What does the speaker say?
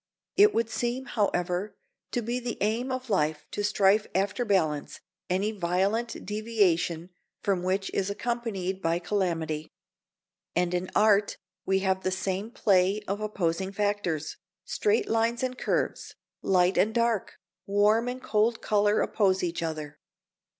It would seem, however, to be the aim of life to strive after balance, any violent deviation from which is accompanied by calamity. And in art we have the same play of opposing factors, straight lines and curves, light and dark, warm and cold colour oppose each other.